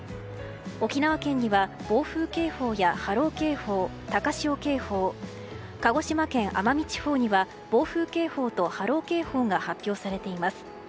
沖縄県には暴風警報や波浪警報高潮警報鹿児島県奄美地方には暴風警報と波浪警報が発表されています。